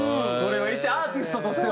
いちアーティストとしても。